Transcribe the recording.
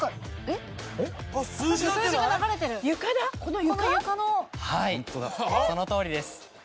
はいそのとおりです。